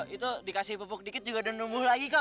itu dikasih pupuk dikit juga dan numbuh lagi kok